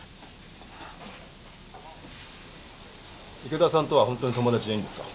池田さんとはホントに友達でいいんですか？